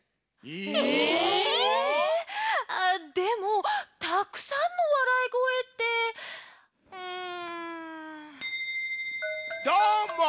でもたくさんのわらいごえってうん。